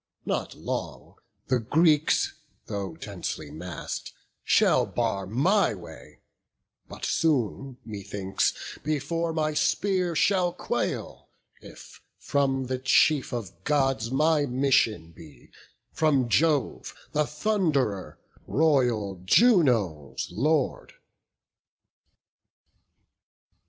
not long The Greeks, though densely mass'd, shall bar my way, But soon, methinks, before my spear shall quail, If from the chief of Gods my mission be, From Jove the Thund'rer, royal Juno's Lord."